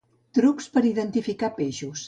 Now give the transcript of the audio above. Trucs per identificar peixos